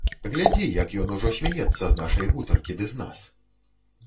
Глядзі, як ён ужо смяецца з нашай гутаркі ды з нас.